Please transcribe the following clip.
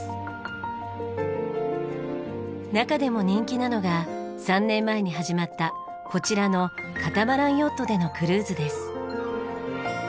中でも人気なのが３年前に始まったこちらのカタマランヨットでのクルーズです。